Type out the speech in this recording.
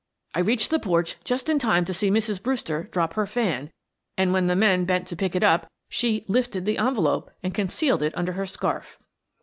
I reached the porch just in time to see Mrs. Brewster drop her fan, and when the men bent to pick it up she 'lifted' the envelope and concealed it under her scarf."